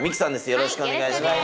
よろしくお願いします！